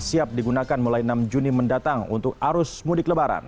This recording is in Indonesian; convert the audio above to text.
siap digunakan mulai enam juni mendatang untuk arus mudik lebaran